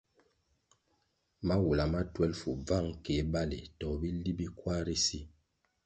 Mawula ma twelfu, bvang keh baleh to bili bi kwar ri si.